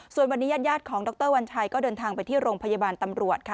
ส่วนวันนี้ญาติของดรวัญชัยก็เดินทางไปที่โรงพยาบาลตำรวจค่ะ